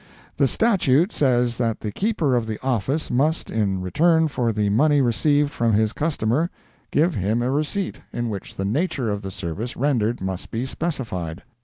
The statute says that the keeper of the office must, in return for the money received from his customer, give him a receipt, in which the nature of the service rendered must be specified.